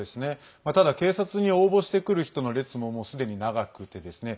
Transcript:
ただ警察に応募してくる人の列も、もうすでに長くてですね